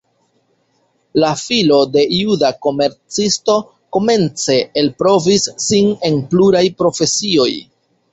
La filo de juda komercisto komence elprovis sin en pluraj profesioj.